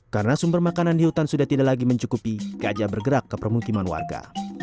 karena sumber makanan di hutan sudah tidak lagi mencukupi gajah bergerak ke permukiman warga